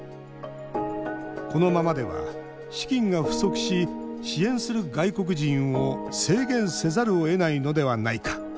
このままでは資金が不足し支援する外国人を制限せざるをえないのではないか。